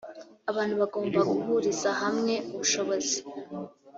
abantu bagomba guhuriza hamwe ubushobozi